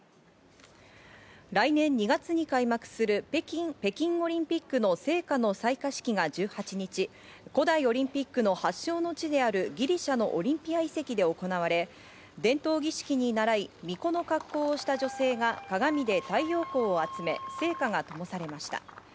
来年２月に開幕する北京オリンピックに向けた聖火の採火式が１８日、古代オリンピックの発祥の地であるギリシャのオリンピア遺跡で行われ、伝統儀式にならい巫女の格好をした女性が鏡で太陽光を集め聖火がともされました。